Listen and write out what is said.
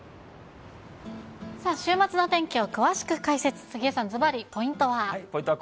さあ、週末のお天気を詳しく解説、杉江さん、ずばりポイントは？